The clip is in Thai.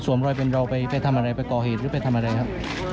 รอยเป็นเราไปทำอะไรไปก่อเหตุหรือไปทำอะไรครับ